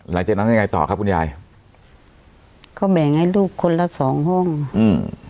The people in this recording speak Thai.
หลังจากนั้นยังไงต่อครับคุณยายเขาแบ่งให้ลูกคนละสองห้องอืม